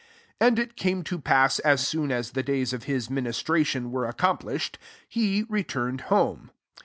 33 And ii came to pass as soon as the days of his ministration were accom* pUshedj he returned home.